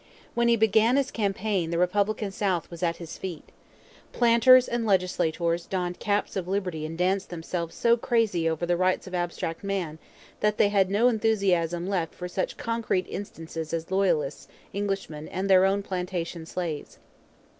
When he began his campaign the Republican South was at his feet. Planters and legislators donned caps of liberty and danced themselves so crazy over the rights of abstract man that they had no enthusiasm left for such concrete instances as Loyalists, Englishmen, and their own plantation slaves.